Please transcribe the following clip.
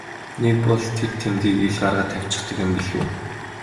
Нэг бол тэр тэмдгийг ил гаргаад тавьчихдаг юм билүү.